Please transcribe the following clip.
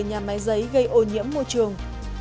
nhà máy giấy gây ô nhiễm môi trường